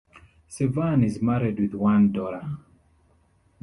Sevan is married with one daughter.